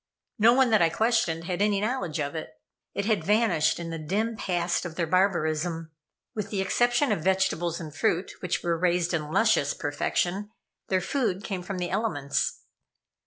No one that I questioned had any knowledge of it. It had vanished in the dim past of their barbarism. With the exception of vegetables and fruit, which were raised in luscious perfection, their food came from the elements.